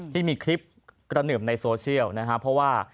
ที่มีคลิปพี่กระหนึมในโซเชียลหน่อยนะค่ะเพราะว่า